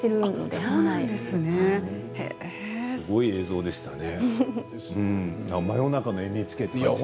すごい映像でしたね。